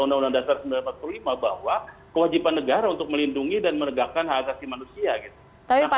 undang undang dasar seribu sembilan ratus empat puluh lima bahwa kewajiban negara untuk melindungi dan menegakkan hak asasi manusia gitu